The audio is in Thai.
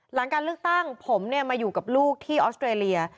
หลังการเลือกตั้งผมมาอยู่กับลูกที่ออสเตรเลีย